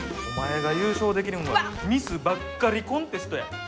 お前が優勝できるんはミスばっかりコンテストや。